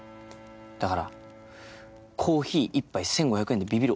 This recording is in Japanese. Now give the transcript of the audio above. だからコーヒー１杯１５００円でビビる